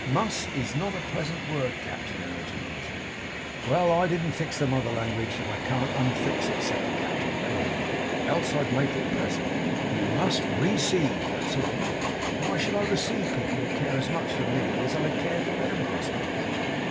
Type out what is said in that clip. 'Must is not a pleasant word, Captain,' urged Martin. 'Well! I didn't fix the mother language, and I can't unfix it,' said the Captain coolly; 'else I'd make it pleasant. You must re ceive. That's all.' 'But why should I receive people who care as much for me as I care for them?' asked Martin.